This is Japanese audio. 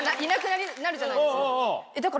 だから。